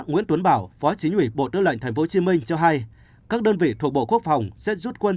nguyễn tuấn bảo phó chính ủy bộ tư lệnh tp hcm cho hay các đơn vị thuộc bộ quốc phòng sẽ rút quân